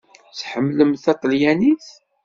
Tḥemmlem taṭelyanit?